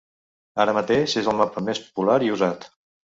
Ara mateix és el mapa més popular i usat.